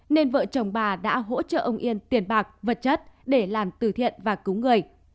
nên vợ chồng bà đã hỗ trợ ông yên tiền bạc vật chất để làm từ thiện và cứu người